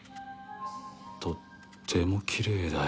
とってもきれいだよ。